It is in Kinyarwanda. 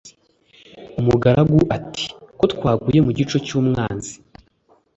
umugaragu ati"kotwaguye mugico cyumwanzi "